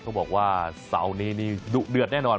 เขาบอกว่าเสานี้ดุเดือดแน่นอน